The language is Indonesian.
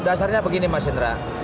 dasarnya begini mas indra